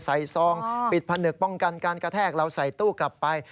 ซองปิดผนึกป้องกันการกระแทกเราใส่ตู้กลับไป